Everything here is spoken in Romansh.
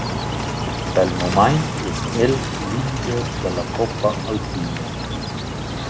Pel mumaint es el leader da la coppa alpina.